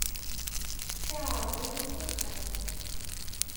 Iεreḍ-iyi s axxam.